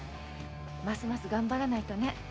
ますます頑張らないとね。